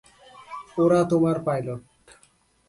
ওরা তোমার পাইলট।